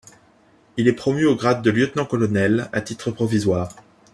Il est promu au grade de lieutenant colonel à titre provisoire.